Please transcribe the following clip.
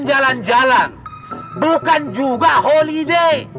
jalan jalan bukan juga holiday